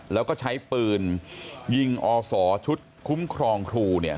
แล้วก็ใช้ปืนยิงอศชุดคุ้มครองครูเนี่ย